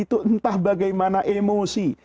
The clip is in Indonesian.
itu entah bagaimana emosi